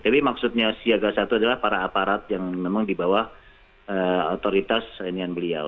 tapi maksudnya siaga satu adalah para aparat yang memang di bawah otoritas senian beliau